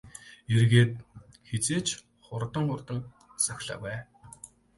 Эргээд хэзээ ч хурдан хурдан цохилоогүй ээ.